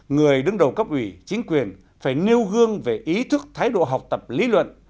người đứng đầu cấp ủy chính quyền phải nêu gương về ý thức thái độ học tập lý luận